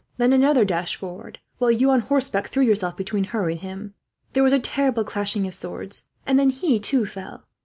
Then another dashed forward; while you, on horseback, threw yourself between her and him. There was a terrible clashing of swords; and then he, too, fell.